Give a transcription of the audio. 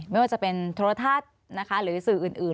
ไม่ว่าจะเป็นโทรทัศน์นะคะหรือสื่ออื่น